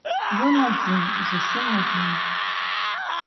Ён адзін, зусім адзін.